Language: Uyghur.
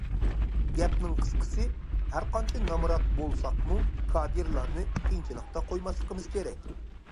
گەپنىڭ قىسقىسى، ھەر قانچە نامرات بولساقمۇ كادىرلارنى قىيىنچىلىقتا قويماسلىقىمىز كېرەك!